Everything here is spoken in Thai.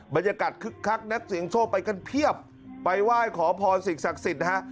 บรรยากาศคลักษณ์นักเสียงโชคไปกันเพียบไปไหว้ขอพรสิทธิ์ศักดิ์สิทธิ์นะฮะ